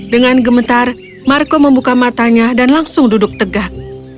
dengan gemetar marco membuka matanya dan langsung duduk tegak